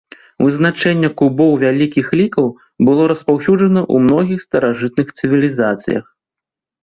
Вызначэнне кубоў вялікіх лікаў было распаўсюджана ў многіх старажытных цывілізацыях.